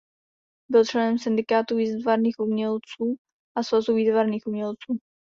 Byl členem Syndikátu výtvarných umělců a Svazu výtvarných umělců.